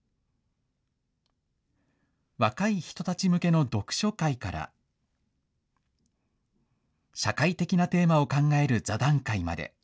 若い人たち向けの読書会から、社会的なテーマを考える座談会まで。